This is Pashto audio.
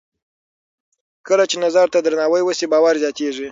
کله چې نظر ته درناوی وشي، باور زیاتېږي.